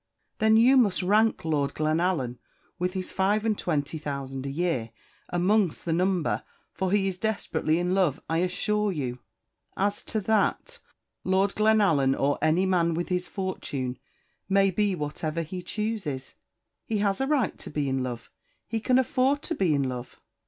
"Then you must rank Lord Glenallan, with his five and twenty thousand a year, amongst the number, for he is desperately in love, I assure you." "As to that, Lord Glenallan, or any man with his fortune, may be whatever he chooses. He has a right to be in love. He can afford to be in love."